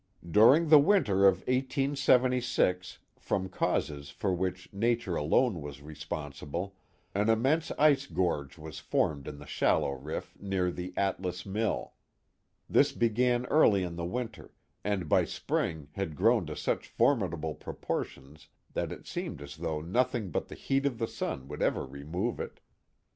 Canajoharie — The Hills of Florida 397 During the winter of 1876, from causes for which nature alone was responsible, an immense ice gorge was formed in the shallow riff near the Atlas mill. This began early in the winter, and by spring had grown to such formidable propor tions that it seemed as though nothing but the heat of the sun would ever remove it.